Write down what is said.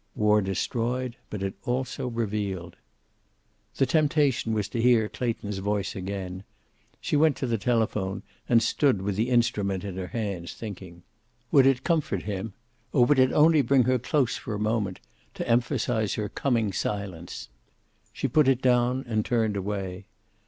War destroyed, but it also revealed. The temptation was to hear Clayton's voice again. She went to the telephone, and stood with the instrument in her hands, thinking. Would it comfort him? Or would it only bring her close for a moment, to emphasize her coming silence? She put it down, and turned away.